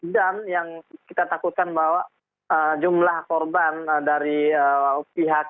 yang kita takutkan bahwa jumlah korban dari pihak